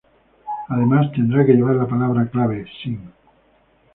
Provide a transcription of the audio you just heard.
Además, tendrá que llevar la palabra clave "sign".